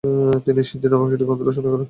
তিনি 'সিদ্ধি' নামক একটি গ্রন্থ রচনা করেন।